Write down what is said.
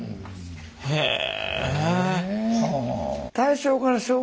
へえ。